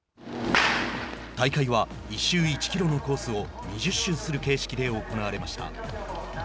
大会は１周１キロのコースを２０周する形式で行われました。